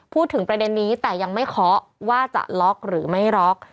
พูดถึงประเด็นนี้แต่ยังไม่เคาะว่าจะล็อกหรือไม่ล็อก